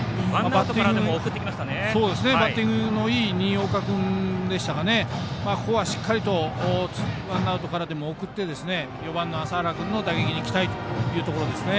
バッティングのいい新岡君でしたがここはしっかりとワンアウトからでも送って４番の麻原君の打撃に期待というところですね。